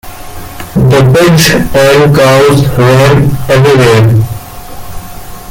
The pigs and cows ran everywhere.